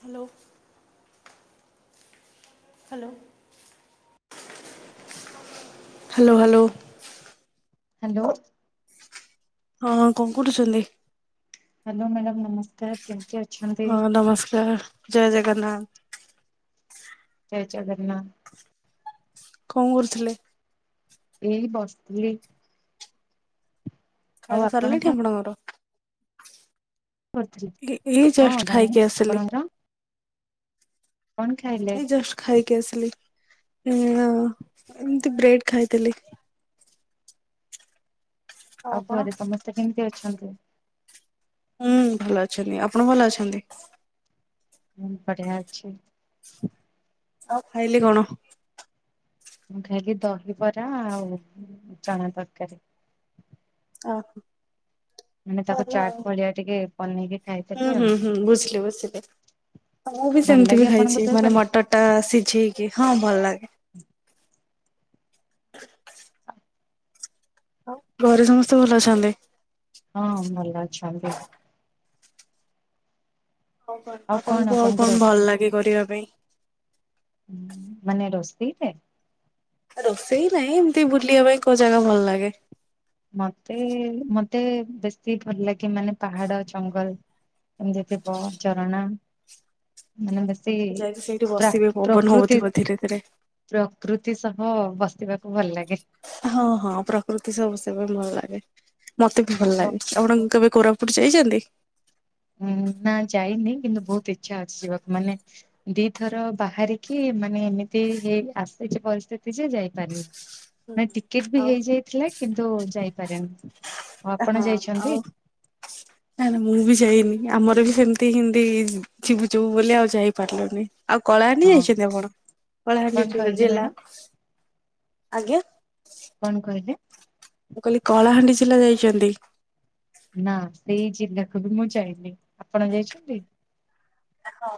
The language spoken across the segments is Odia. Hello. Hello. Hello hello. Hello. ହଁ କଣ କରୁଛନ୍ତି? ହ୍ୟାଲୋ ମ୍ୟାଡାମ ନମସ୍କାର କେମତି ଅ ହଁ ନମସ୍କାର ଜୟ ଜଗନ୍ନାଥ। ଜୟ ଜଗନ୍ନାଥ। କଣ କରୁଥିଲେ? ଏଇ ବସିଥିଲି। ଆଉ ଖାଇବା ଆପଣ ସରିଲାଟି କଣ ଆପଣଙ୍କର? କରୁଥିଲେ? ଏଇ ହଁ ଜଷ୍ଟ ରାଣୀ ଖାଇକି ଆସିଲି। ଆପଣଙ୍କର କଣ ଖାଇଲେ? ଏଇ ଜଷ୍ଟ ଖାଇକି ଆସିଲି। ହଁ ଏମିତି ବ୍ରେଡ୍ ଖାଇଦେଲି। ଆଉ ଘରେ ସମସ୍ତେ କେମିତି ଅଛନ୍ତି? ହୁଁ ଭଲ ଅଛନ୍ତି ଆପଣ ଭଲ ଅଛନ୍ତି? ବଢିଆ ଅଛି। ଆଉ ଖାଇଲେ କଣ? ଖାଇଲି ଦହିବରା ଆଉ ଚଣା ତରକାରୀ। ଆ ମାନେ ତାକୁ ଚାଟ ଭଲଆଉ ଭଳିଆ ଟିକେ ବନେଇକି ଖାଇଥିଲି ହୁଁ ଆଉ। ହୁଁ ହୁଁ ବୁଝିଲି ବୁଝିଲି। ମୁଁ ବି ଭଲ ସେମିତି ଲାଗେ ବି ଆପଣଙ୍କୁ ଖାଇଛି ମାନେ ଦହିବରା? ମଟର ଟା ସିଝେଇକି ହଁ ଭଲ ଲାଗେ। [inaudible] ଘରେ ସମସ୍ତେ ଭଲ ଅଛନ୍ତି? ହଁ ଭଲ ଅଛନ୍ତି। ଆଉ କଣ ଆପଣଙ୍କୁ ଆଉ ଆପଣଙ୍କ ରସ୍ ଭଲ ଲାଗେ କରିବା ପାଇଁ? ମାନେ ରସ୍ [unintelligible] ରୋଷେଇ ନାହିଁ ଏମତି ବୁଲିବା ପାଇଁ କୋଉ ଜାଗା ଭଲ ଲାଗେ? ମତେ ମତେ ବେଶୀ ଭଲ ଲାଗେ ମାନେ ପାହାଡ ଜଙ୍ଗଲ ଏମିତି ଥିବ ଝରଣା ବେଶୀ ଯାଇକି ସେଇଠି ବସିବି ପ୍ରାକ୍- ପବନ ପ୍ରକୃତି ହଉଥିବ ଧୀରେ ଧୀରେ ପ୍ରକୃତି ସ। ହଁ ବସିବାକୁ ଭଲ ଲାଗେ। ହଁ ହଁ ପ୍ରକୃତି ସବୁ ସେବେ ଭଲ ଲାଗେ ମତେ ଭଲ ଆଉ ଲାଗେ ଆପଣଙ୍କୁ କେବେ କୋରାପୁଟ ଯାଇଛନ୍ତି? ଉଁ ନା ଯାଇନି କିନ୍ତୁ ବହୁତ ଇଚ୍ଛା ଅଛି ଯିବାକୁ ମାନେ ଦିଥର ବାହାରିକି ମାନେ ଏମିତି ହେଇ ଆସିଛି ପରିସ୍ଥିତି ଯେ ଯାଇପାରିବୁ। ନା ଟିକେଟ ବି ଆଉ ହେଇଯାଇଥିଲା କିନ୍ତୁ ଯାଇ ହଁ ଆଉ ନା ନା ମୁଁ ବି ଯାଇ ଆମର ବି ସେମିତି ହିନ୍ଦିଜ୍ ଯିବୁ ଯିବୁ ବୋଲି ଆଉ ଯାଇ ପାରିଲୁନି। ଆଉ କଳାହାଣ୍ଡି ହଁ। ଯାଇଛନ୍ତି ଆପଣ? କଣ କଳାହାଣ୍ଡି ଟିକେ କହିଲେ ଜିଲ୍ଲା ମ୍ୟାଡାମ ଆଜ୍ଞା। କଣ କହିଲେ ମୁଁ କହିଲି କଳାହାଣ୍ଡି ଜିଲ୍ଲା ଯାଇଛନ୍ତି? ନା ସେଇ ଜିଲ୍ଲାକୁ ବି ମୁଁ ଯାଇନି। ଆପଣ ଯାଇଛନ୍ତି? ହଁ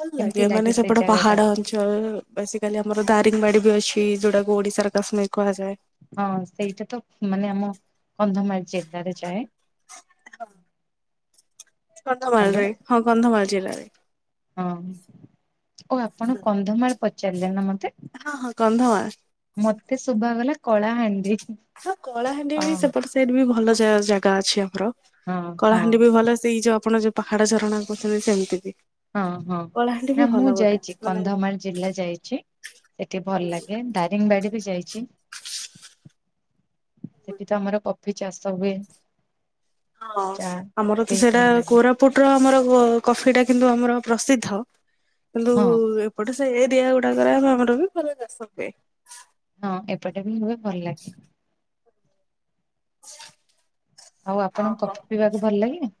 ଭଲ କେମିତି ଲାଗେ ମାନେ ସେଇ ସେପଟେ ଜାଗା ଟା ପାହାଡ ଅଞ୍ଚଳ ବେସିକାଲି ଆମର ଦାରିଙ୍ଗବାଡି ବି ଅଛି ଯୋଉଟା ଓଡ଼ିଶା ର କାଶ୍ମୀର କୁହାଯାଏ। ହଁ ସେଇଟା ତ ମାନେ ଆମ କନ୍ଧମାଳ ଜିଲ୍ଲାରେ ଯାଏ। ହଁ କନ୍ଧମାଳ ହ୍ୟାଲୋ ରେ ହଁ କନ୍ଧମାଳ ଜିଲ୍ଲାରେ। ହଁ। ଓ ଆପଣ କନ୍ଧମାଳ ପଚାରିଲେ ନା ମତେ? ହଁ ହଁ କନ୍ଧମାଳ ମତେ ଶୁଭା ଗଲା କଳାହାଣ୍ଡି? ହଁ କଳାହାଣ୍ଡି ଅ ବି ସେପଟେ ସାଇଡ୍ ବି ଭଲ ଜାଗା - ଜାଗା ଅଛି ଆମର। ହଁ ହଁ କଳାହାଣ୍ଡି ବି ଭଲ ସେଇ ଯୋଉ ଆପଣ ଯୋଉ ପାହାଡ଼ ଝରଣା କହୁଚନ୍ତି ସେମିତି ବି। ହଁ ହଁ କଳାହାଣ୍ଡି ନା ବି ମୁଁ ଭଲ ଗୋଟେ ଯାଇଛି ମାନେ କନ୍ଧମାଳ ଜିଲ୍ଲା ଯାଇଚି। ଏଠି ଭଲ ଲାଗେ ଦାରିଙ୍ଗବାଡି ବି ଯାଇ ସେଠି ତ ତମର କଫି ଚାଷ ହୁଏ? ହଁ ଚା ଆମର ତ ପିଇ ସେଇଟା ଭଲ ଲାଗେ କୋରାପୁଟର ଆମର ଓ କଫିଟା କିନ୍ତୁ ଆମର ପ୍ରସିଦ୍ଧ କିନ୍ତୁ ହଁ ଏପଟେ ସ୍ ସେ ଏରିଆ ଗୁଡାକରେ ଆମ ଆମର ବି ଭଲ ଚାଷ ହୁଏ। ହଁ ଏପଟେ ବି ହୁଏ ଭଲ ଲାଗେ। ଆଉ ଆପଣଙ୍କୁ କଫି ପିଇବାକୁ ଭଲ ଲାଗେ?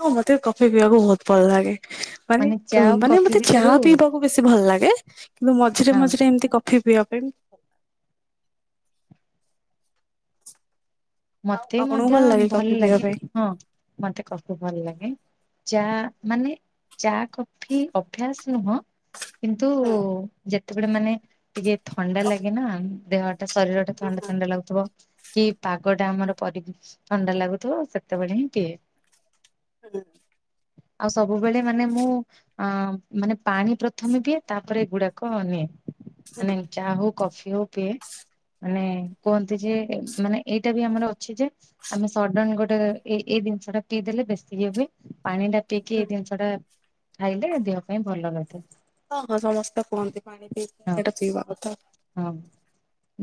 ହଁ ମତେ କଫି ପିିଇବାକୁ ବୋହୁତ ଭଲ ଲାଗେ। ମାନେ ଉ ଚା ଆଉ ମାନେ କଫି ମତେ ଚା ଭିତରୁ ପିଇବାକୁ ବେଶୀ ଭଲ ଲାଗେ କିନ୍ତୁ ମଝିରେ ହଁ ମଝିରେ ଏମତି କଫି ପିଇବା ଏମ୍ ମତେ ଆପଣଙ୍କୁ ମଧ୍ୟ ଲାଗେ ଭଲ କଫି ପିଇବା ଲାଗେ ପାଇଁ? ହଁ ମତେ କଫି ଭଲ ଲାଗେ। ଚା ମାନେ ଚା, କଫି ଅଭ୍ୟାସ ନୁହଁ। କିନ୍ତୁ ଯେତେବେଳେ ମାନେ ଟିକେ ଥଣ୍ଡା ଲାଗେ ନା ଦେହ ଶରୀରଟା ଥଣ୍ଡା ଥଣ୍ଡା ଲାଗୁଥୁବ କି ପା ଗଟା ଆମର ପରି ଥଣ୍ଡା ଲାଗୁଥୁବ ସେତେବେଳେ ହିଁ ପିଏ। ହୁଁ। ଆଉ ସବୁବେଳେ ମାନେ ମୁଁ ଅଁ ମାନେ ପାଣି ପ୍ରଥମେ ପିଏ ତାପରେ ଏଗୁଡାକ ନିଏ। ମାନେ ଚା ହୋଉ କଫି ହୋଉ ପିଏ ମାନେ କୁହନ୍ତି ଯେ ମାନେ ଏଇଟା ବି ଆମର ଅଛି ଯେ ଆମେ ସଡନ ଗୋଟେ ଏ ଏଇ ଦିନଷଟା ପିଇଦେଲେ ବେଶୀ ଇଏ ହୁଏ ପାଣିଟା ପିଇକି ଏଇ ଦିନଷଟା ଖାଇଲେ ଦେହ ପାଇଁ ଭଲ ରହିଥାଏ। ହଁ ହଁ ସମସ୍ତେ କୁହନ୍ତି ପାଣି ପିଇକି ହଁ। ଏଇଟା ପିଇବା କଥା। ହଁ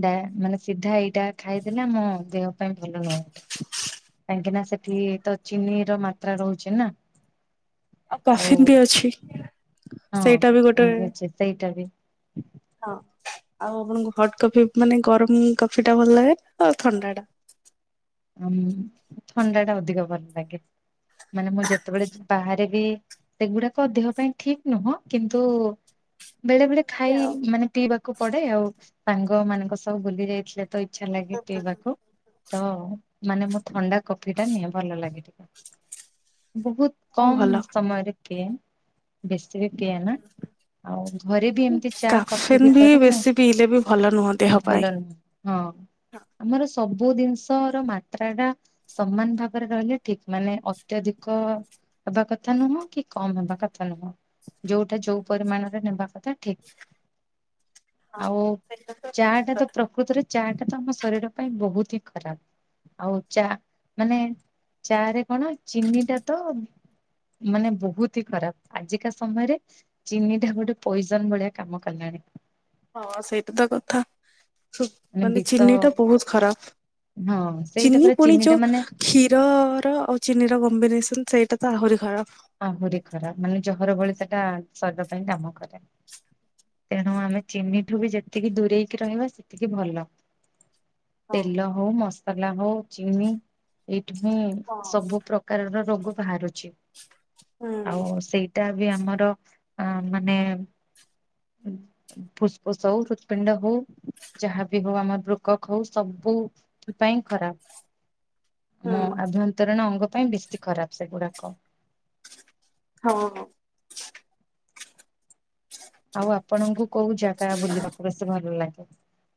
ଡା ମାନେ ସିଧା ଏଇଟା ଖାଇଦେଲେ ଆମ ଦେହ ପାଇଁ ଭଲ ନୁହଁ ଏଟା। କାହିଁକି ନା ସେଠି ତ ଚିନିର ମାତ୍ରା ରହୁଚି ନା। ଆଉ କଫିନ ବି ଅଛି। ହଁ ସେଇଟା ଗୋଟେ କଠିନ ବି ଅଛି ସେଇଟା ବି। ହଁ ଆଉ ଆପଣଙ୍କୁ ହଟ କଫି ମାନେ ଗରମ କଫିଟା ଭଲ ଲାଗେ ଆଉ ଥଣ୍ଡା ଟା? ଉଁ ଥଣ୍ଡାଟା ଅଧିକ ଭଲ ଲାଗେ ମାନେ ମୁଁ ଯେତେବେଳେ ବାହାରେ ବି ସେଗୁଡାକ ଦେହ ପାଇଁ ଠିକ ନୁହଁ କିନ୍ତୁ ବେଳେ ବେଳେ ଲାଗେ ଖାଇ ଆଉ ମାନେ ପିଇବା କୁ ପଡେ ଆଉ ସାଙ୍ଗ ମାନଙ୍କ ସହ ବୁଲି ଯାଇଥିଲେ ତ ଇଚ୍ଛା ଲାଗେ ପିଇବାକୁ ତ ମାନେ ମୁଁ ଥଣ୍ଡା କଫିଟା ନିଏ ଭଲ ଲାଗେ ଟିକେ। ବହୁତ ହଁ ଭଲ କମ ସମୟରେ ପିଏ ବେଶୀ ବି ପିଏନା। ଆଉ ଘରେ ବି ଏମତି ଚା କଫି କାଫିନ୍ ବି ଭିତରୁ ମୁଁ ବେଶୀ ପିଇଲେ ବି ଭଲ ନୁହଁ ଦେହ ପାଇଁ। ଭଲ ନୁହଁ ହଁ। ଆମର ସବୁ ଜିନିଷର ମା ତ୍ରାଟା ସମାନ ଭାବରେ ରହିଲେ ଠିକ ମାନେ ଅତ୍ୟଧିକ ହେବା କଥା ନୁହଁ କି କମ୍ ହେବା କଥା ନୁହଁ। ଯୋଉଟା ଯୋଉ ପରିମାଣରେ ନେବା କଥା ଠିକ। ହଁ ଆଉ ସେଇଟା ତ ଚାଆଟା ତ କଥା ପ୍ରକୃତରେ ଚାଆଟା ତ ଆମ ଶରୀର ପାଇଁ ବୋହୁତ ହିଁ ଖରାପ। ଆଉ ଚା ମାନେ ଚାଆରେ କଣ ଚିନିଟା ତ ମାନେ ବୋହୁତ ହି ଖରାପ ଆଜିକା ସମୟରେ ଚିନିଟା ଗୋଟେ ପଓଜନ ଭଳିଆ କାମ କଲାଣି। [unintelligible] ହଁ ସେଇଟା ତ କଥା ହୋ ମାନେ ଚିନିଟା ବୋହୁତ ଖରାପ। ହଁ ସେଇଟା ଚିନି ପରେ ପୁଣି ଟା ଯୋଉ ମାନେ କ୍ଷୀରର ଆଉ ଚିନିର କ କମ୍ବିନେସନ ସେଇଟା ତ ଆହୁରି ଖରାପ। ଆହୁରି ଖରାପ ମାନେ ଜହର ଭଳି ସେଟା ଶରୀର ପାଇଁ କାମ କରେ। ତେଣୁ ଆମେ ଚିନିଠୁ ବି ଯେତିକି ଦୂରେଇକି ରହିବା ସେତିକି ଭଲ। ହଁ। ତେଲ ହୋଉ ମସଲା ହୋଉ ଚିନି ଏଇ ହୁଁ ସବୁ ପ୍ରକାରର ରୋଗ ବାହାରୁଚି ହୁଁ ଆଉ ସେଇଟା ବି ଆମର ଅ ମାନେ ଫୁସଫୁସ ହଉ ହୃତପିଣ୍ଡ ହଉ ଯାହାବି ହଉ ଆମର ବୃକକ ହଉ ସବୁ ବୋଉଥି ପାଇଁ ଖରାପ। ହୁଁ ହଁ ଆଭ୍ୟନ୍ତରୀଣ ଅଙ୍ଗ ପାଇଁ ବେଶୀ ଖରାପ ସେଗୁଡାକ। ହଁ। ଆଉ ଆପଣଙ୍କୁ କୋଉ ଜାଗା ବୁଲିବାକୁ ବେଶେ ଭଲ ଲାଗେ?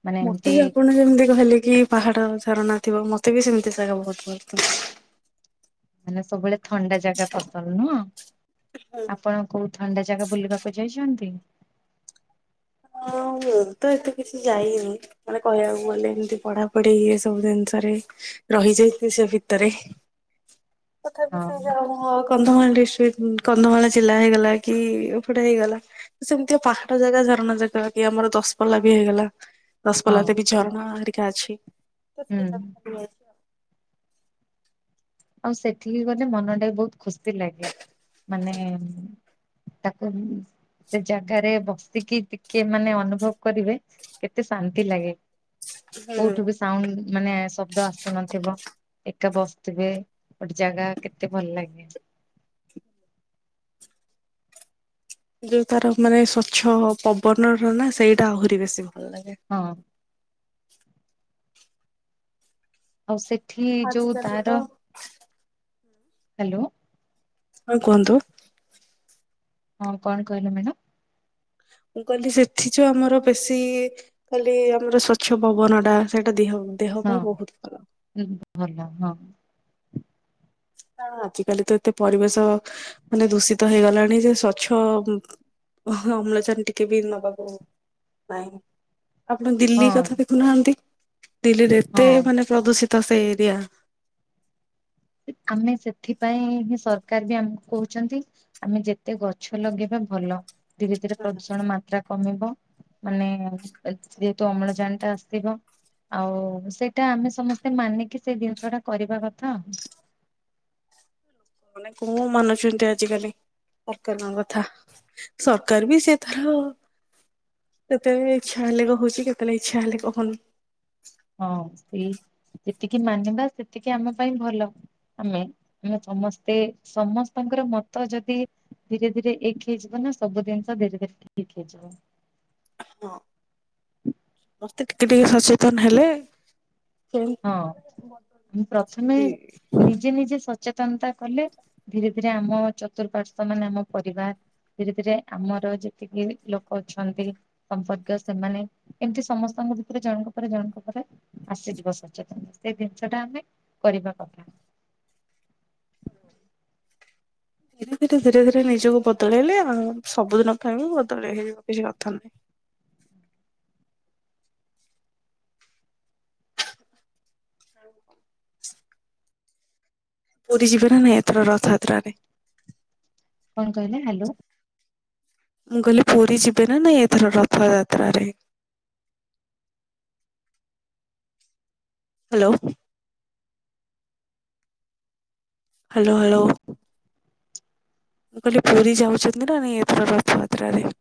ମାନେ ମତେ ଏମିତି ବି ଆପଣ ଯେମିତି କହିଲେ କି ପାହାଡ ଝାରଣା ଥିବ ମ ମତେ ବି ସେମିତି ଜାଗା ବହୁତ ବ ମାନେ ସବୁବେଳେ ଥଣ୍ଡା ଜାଗା ପସନ୍ଦ୍ ନୁହଁ, ଆପଣ କୋଉ। ଥଣ୍ଡା ଜାଗା ବୁଲିବାକୁ ଯାଇଛନ୍ତି? ହଁ ମୁଁ ତ ଏତେ କିଛି ଯାଇନି। ମାନେ କହିବାକୁ ଗଲେ ଏମତି ପଢା ପଢି ଏ ସବୁ ଜିନିଷରେ ରହିଯାଇଛି ସେ ଭିତରେ ତଥାପି ହଁ ସେ ଯହା ହଉ କନ୍ଧମାଳ ଡିସ କନ୍ଧମାଳ ଜିଲ୍ଲା ହେଇଗଲା କି ଏପଟେ ହେଇଗଲା ସେମିତି ପାହାଡ ଜାଗା ଝରଣ ଜାଗା ଆମର ଦଶପଲ୍ଲା ବି ହେଇଗଲା ହଁ ଦଶପଲ୍ଲା ତେବି ଝରଣା ହେରିକା ଅଛି। ହୁଁ [unintelligible] ଆଉ ସେଠିକି ଗଲେ ମନଟା ବି ବହୁତ ଖୁସିଲାଗେ। ମାନେ ତାକୁ ସେ ଜାଗାରେ ବସିକି ଟିକେ ମାନେ ଅନୁଭବ କରିବେ କେତେ ଶାନ୍ତି ଲାଗେ। ହୁଁ କୋଉଠୁ ବି ସାଉଣ୍ଡ ମାନେ ଶବ୍ଦ ଆସୁନଥିବ ଏକା ବସିଥିବେ। ଗୋଟେ ଜାଗା କେତେ ଭଲ ଲାଗେ। ଯୋଉ ତାର ମାନେ ସ୍ଵଚ୍ଛ ପବନର ନା ସେଇଟା ଆହୁରି ବେଶିଭ ହଁ। ଆଉ ସେଠି ଯୋଉ ଆଜିକାଲି ତ ତାର ହ୍ୟାଲୋ। ହଁ କୁହନ୍ତୁ। ହଁ କଣ କହିଲ ମ୍ୟାଡମ। ମୁଁ କହିଲି ସେଠିଯୋଉ ଆମର ବେଶୀ କାଲି ଆମର ସ୍ଵଚ୍ଛ ପବନ ଟା ସେଇଟା ଦିହାଉ ଦେହପାଇଁ ବହୁତ ଭଲ। ହଁ ଭଲ ହଁ। ଆଜିକାଲିତ ଏତେ ପରିବେଶ ମାନେ ଦୂଷିତ ହେଇଗଲାଣି ଯେ ସ୍ଵଚ୍ଛ ଓ ଅମ୍ଳଜାନ ଟିକେ ବି ନବାକୁ ନାହିଁ। ଆପଣ ଦିଲ୍ଲୀ ହଁ କଥା ଦେଖୁନାହାନ୍ତି। ଦିଲ୍ଲୀରେ ଏତେ ହଁ ମାନେ ପ୍ରଦୂଷିତ ସେ ଏରିଆ ଆମେ ସେଥିପାଇଁ ହିଁ ସରକାର ବି ଆମକୁ କହୁଛନ୍ତି ଆମେ ଯେତେ ଗଛ ଲଗେଇବା ଭଲ। ଧୀରେ ଧୀରେ ପ୍ରଦୂଷଣ ମାତ୍ରା କମିବ। ମାନେ ଯେହେତୁ ଅମ୍ଳଜାନଟା ଆସିିବ। ଆଉ ସେଇଟା ଆମେ ସମସ୍ତେ ମାନିକି ସେଇ ଜିନିଷ ଟା କରିବା କଥା। ମାନେ କୋଉ ମାନୁଛନ୍ତି ଆଜିକାଲି। ସରକାରଙ୍କ କଥା ସରକାର ବି ସେତାର କେତେବେଳେ ଇଚ୍ଛା ହେଲେ କ ହଉଛି କେତେଲେ ଇଚ୍ଛା ହେଲେ କହୁନି। ହଁ ସେଇ ଯେତିକି ମାନିବା ସେତିକି ଆମ ପାଇଁ ଭଲ। ଆମେ ଆମେ ସମସ୍ତେ ସମସ୍ତଙ୍କର ମ ମତ ଯଦି ଧୀରେ ଧୀରେ ଏକ ହେଇଯିବନା ସବୁ ଜିନିଷ ଧୀରେ ଧୀରେ ଠିକ ହେଇଯିବ। ହଁ, ସମସ୍ତେ ଟିକେ ଟିକେ ସଚେତନ ହେଲେ ସେମିତି ହଁ ପ୍ରଥମେ ଧୀରେ ନିଜେ ନିଜେ ସ ସଚେତନତା କଲେ ଧୀରେ ଧୀରେ ଆମ ଚତୁଃପାର୍ଶ୍ୱ ମାନେ ଆମ ପରିବାର ଧୀରେ ଧୀରେ ଆମର ଯେତିକି ଲୋକ ଅଛନ୍ତି ସମ୍ପର୍କୀୟ ସେମାନେ ଏମତି ସମସ୍ତ ଙ୍କ ଭିତରେ ଜଣଙ୍କ ପରେ ଜଣଙ୍କ ପରେ ଆସିଯିବ ସେ। ସେ ଜିନିଷଟା ଆମେ କରିବା କଥା। ହାଲୋ। ଧୀରେ ଧୀରେ ଧୀରେ ଧୀରେ ନିଜକୁ ବଦଳେଇଲେ ଆ ସବୁଦିନ ପାଇଁ ବି ବଦଳେଇ ହେଇଯିବ କିଛି କଥା ନାହିଁ। [inaudible] ପୁରୀ ଯିବ ନା ନାହିଁ ଏଥର ରଥଯାତ୍ରାରେ। କଣ କହିଲେ ହାଲୋ। ମୁଁ କହିଲି ପୁରୀ ଯିବେ ନା ନାଇଁ ଏଥର ରଥଯାତ୍ରାରେ। [inaudible] ହାଲୋ। Hello hello. ମୁଁ କହିଲି ପୁରୀ ଯାଉଛନ୍ତି ନା ନାଇଁ ଏଥର ରଥଯାତ୍ରାରେ।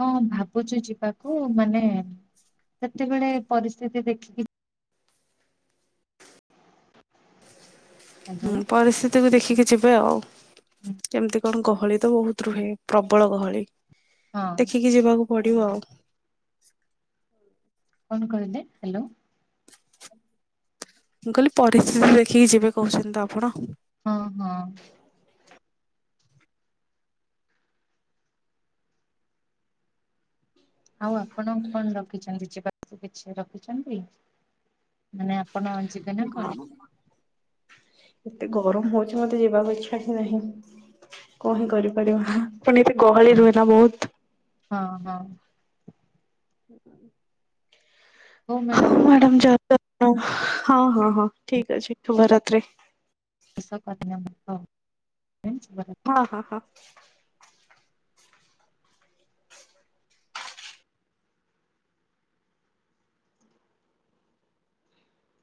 ହଁ ଭାବୁଛି ଯିବାକୁ ମାନେ ସେତେବେଳେ ପରିସ୍ଥିତି ଦେଖିକି ହ୍ୟାଲୋ ହୁଁ ପରିସ୍ଥିତିକୁ ଦେଖିକି ଯିବା ଆଉ କେମିତି କଣ ଗହଳି ତ ବହୁତ ରୁହେ ପ୍ରବଳ ଗହଳି ହଁ ଦେଖିକି ଯିବାକୁ ପଢ଼ିବ? କଣ କହିଲେ ହାଲୋ। ମୁଁ କହିଲି ପରିସ୍ଥିତି ଦେଖିକି ଯିବେ କହୁଛନ୍ତି ତ ଆପଣ? ହଁ ହଁ ହଁ ଆଉ ଆପଣ କଣ ରଖିଛନ୍ତି ଯିବାକୁ କିଛି ରଖିଛନ୍ତି ମାନେ ଆପଣ ଯିବେ ନା କଣ? ଏତେ ଗରମ ହଉଛି ମତେ ଯିବାକୁ ଇଚ୍ଛା ହିଁ ନାହିଁ। କଣ କରିପାରିବା। ଏମିତି ଗହଳି ହଁ ରୁହେ ନା ବହୁତ। ହଁ ହଁ ଉ ହୁଁ। ହଉ ମ୍ୟାଡ଼ାମ ଆପ ଓ ହଁ ହଁ ହଁ ଠିକ ଅଛି ଶୁଭ ରାତ୍ରି। [unintelligible] ହଉ ଅ ହଁ ହଁ।